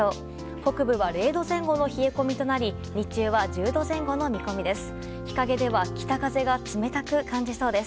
北部は０度前後の冷え込みとなり日中は１０度前後の見込みです。